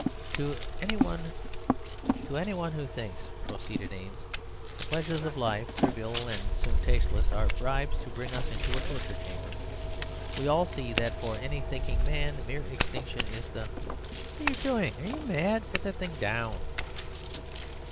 "'To any one who thinks,' proceeded Eames, 'the pleasures of life, trivial and soon tasteless, are bribes to bring us into a torture chamber. We all see that for any thinking man mere extinction is the... What are you doing?... Are you mad?... Put that thing down.